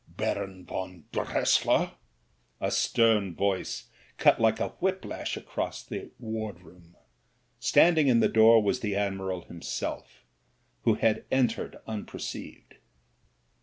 Baron von Dressier?" A stem voice cut like a whiplash across the wardroom ; stand ing in the door was the admiral himself, who had en tered unperceived.